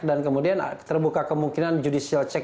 dan kemudian terbuka kemungkinan judicial check